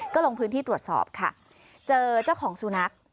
ก็ลงพื้นที่ตรวจสอบค่ะเจอเจ้าของสุนัข